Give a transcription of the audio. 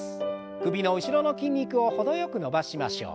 首の後ろの筋肉を程よく伸ばしましょう。